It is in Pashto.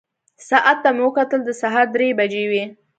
ساعت ته مې وکتل، د سهار درې بجې وې.